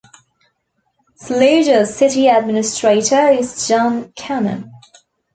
Saluda's City Administrator is Jon Cannon.